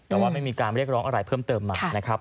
แต่ว่าไม่มีการเรียกร้องอะไรเพิ่มเติมมานะครับ